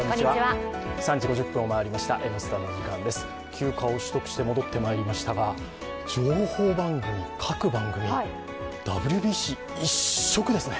休暇を取得して戻ってまいりましたが情報番組、各番組、ＷＢＣ一色ですね。